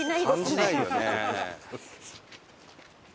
感じないよね。